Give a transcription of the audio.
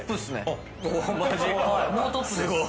もうトップです。